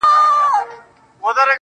ځمه و لو صحراته.